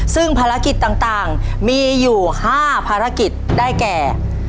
ซึ่งภารกิจต่างมีอยู่๕ภารกิจได้แก่